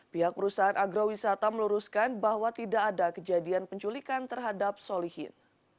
pihak perusahaan agrowisata meluruskan bahwa tidak ada kejadian penculikan terhadap solihin